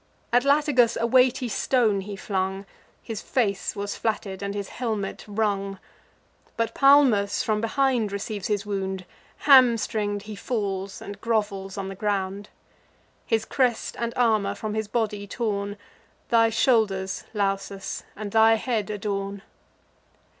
At Latagus a weighty stone he flung: His face was flatted, and his helmet rung. But Palmus from behind receives his wound; Hamstring'd he falls, and grovels on the ground: His crest and armour, from his body torn, Thy shoulders, Lausus, and thy head adorn.